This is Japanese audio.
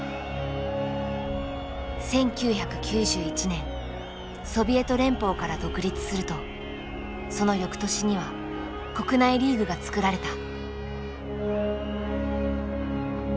１９９１年ソビエト連邦から独立するとその翌年には国内リーグが作られた。